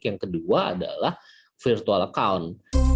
yang kedua adalah virtual account